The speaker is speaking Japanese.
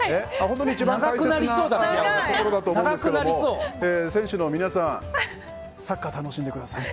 本当に一番大切なところだと思うんですけれども選手の皆さんサッカー楽しんでください。